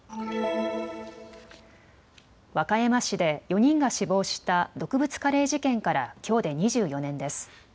和歌山市で４人が死亡した毒物カレー事件からきょうで２４年です。